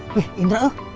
wih indra loh